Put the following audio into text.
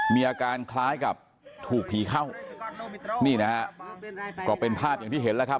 มีอาการคล้ายกับถูกผีเข้านี่นะฮะก็เป็นภาพอย่างที่เห็นแล้วครับ